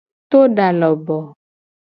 To da loboo.